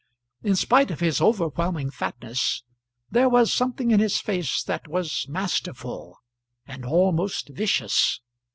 In spite of his overwhelming fatness, there was something in his face that was masterful and almost vicious.